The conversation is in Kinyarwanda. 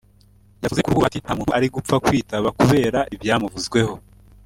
yavuze kuri ubu Bahati nta muntu ari gupfa kwitaba kubera ibyamuvuzweho